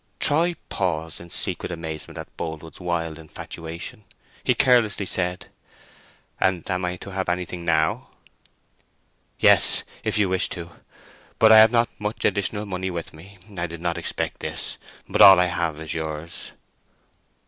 Troy paused in secret amazement at Boldwood's wild infatuation. He carelessly said, "And am I to have anything now?" "Yes, if you wish to. But I have not much additional money with me. I did not expect this; but all I have is yours."